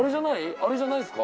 あれじゃないすか？